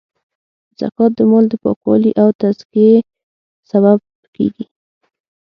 زکات د مال د پاکوالې او تذکیې سبب کیږی.